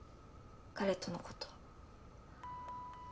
彼とのこと。